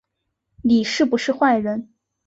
你是不是坏人